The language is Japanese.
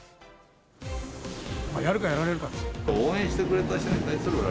やるかやられるかですよ。